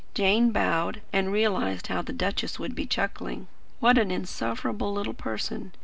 Jane bowed, and realised how the duchess would be chuckling. What an insufferable little person!